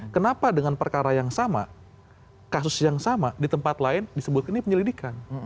kenapa dengan perkara yang sama kasus yang sama di tempat lain disebutkan ini penyelidikan